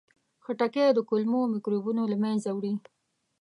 خټکی د کولمو میکروبونه له منځه وړي.